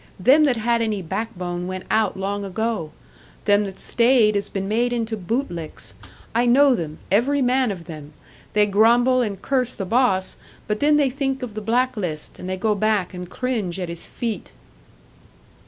Them that had any backbone went out long ago. Them that stayed has been made into boot licks. I know them, every man of them. They grumble, and curse the boss, but then they think of the blacklist, and they go back and cringe at his feet."